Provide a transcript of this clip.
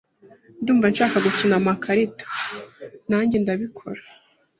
"Ndumva nshaka gukina amakarita." "Nanjye ndabikora."